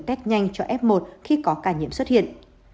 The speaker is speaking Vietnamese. test nhanh cho f một khi có ca nhiễm xuất hiện